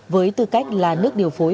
với tư cách là nước điều phối